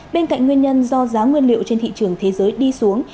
bên cạnh nguyên nhân do giá nguyên liệu trên thị trường thế giới đi xuống